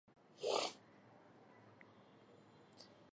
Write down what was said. তাই সেই মাটিতে তখন গাছপালা জন্মায় না।